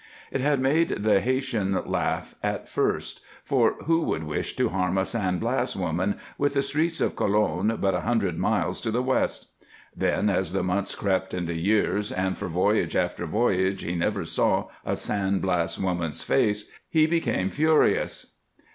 It had made the Haytian laugh at first; for who would wish to harm a San Blas woman, with the streets of Colon but a hundred miles to the west? Then, as the months crept into years, and for voyage after voyage he never saw a San Blas woman's face, he became furious.